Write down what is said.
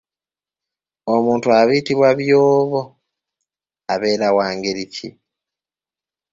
Omuntu ayitibwa byobo abeera wa ngeri ki?